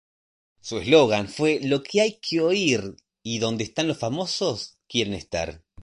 Su eslogan fue "Lo que hay que oír" y "Donde los famosos quieren estar".